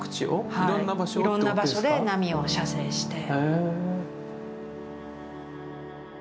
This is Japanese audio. はいいろんな場所で波を写生して。